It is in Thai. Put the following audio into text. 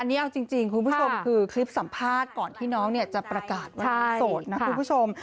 อันนี้เอาจริงคุณผู้ชมคือคลิปสัมภาษณ์ก่อนที่น้องเนี่ยจะประกาศวันโสดนะคุณผู้ชม